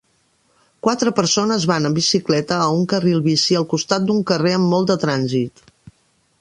Quatre persones van en bicicleta a un carril bici al costat d'un carrer amb molt de trànsit.